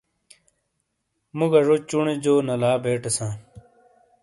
مُو گا ژو چُونے جو نالا بیٹے ساں۔